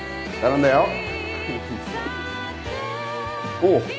おう。